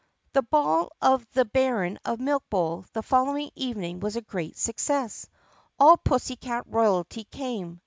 The ball of the Baron of Milkbowl the following evening was a great success. All pussycat royalty came.